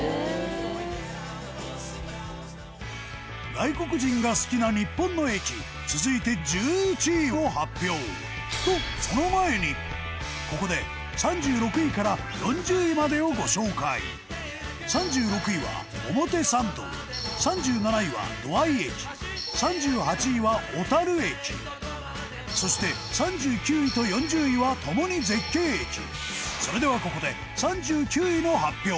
外国人が好きな日本の駅続いて、１１位を発表と、その前に、ここで３６位から４０位までをご紹介３６位は表参道３７位は土合駅３８位は小樽駅そして、３９位と４０位はともに絶景駅それでは、ここで３９位の発表